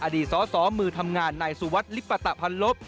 อดีตสสมือทำงานในสุวรรษลิปตภัณฑ์ลบ